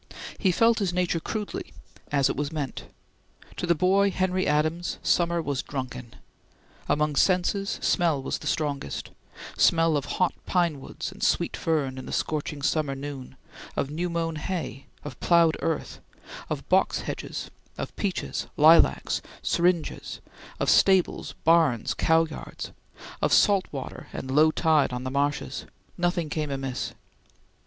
He felt his nature crudely, as it was meant. To the boy Henry Adams, summer was drunken. Among senses, smell was the strongest smell of hot pine woods and sweet fern in the scorching summer noon; of new mown hay; of ploughed earth; of box hedges; of peaches, lilacs, syringas; of stables, barns, cow yards; of salt water and low tide on the marshes; nothing came amiss.